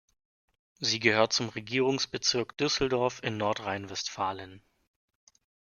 Sie gehört zum Regierungsbezirk Düsseldorf in Nordrhein-Westfalen.